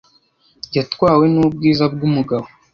Yatwawe nubwiza bwumugabo.